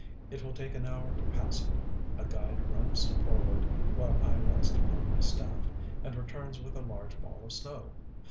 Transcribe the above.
It will take an hour to pass it.... A guide runs forward, while I rest upon my staff, and returns with a large ball of snow.